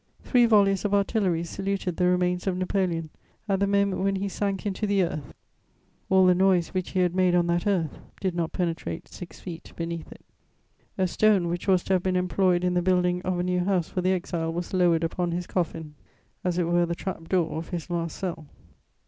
Three volleys of artillery saluted the remains of Napoleon at the moment when he sank into the earth: all the noise which he had made on that earth did not penetrate six feet beneath it. A stone which was to have been employed in the building of a new house for the exile was lowered upon his coffin, as it were the trap door of his last cell.